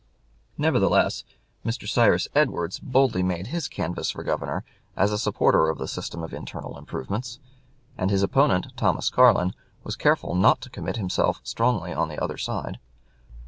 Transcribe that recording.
Nevertheless, Mr. Cyrus Edwards boldly made his canvass for Governor as a supporter of the system of internal improvements, and his opponent, Thomas Carlin, was careful not to commit himself strongly on the other side.